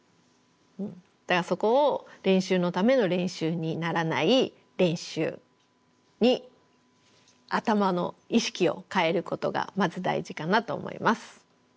だからそこを練習のための練習にならない練習に頭の意識を変えることがまず大事かなと思います。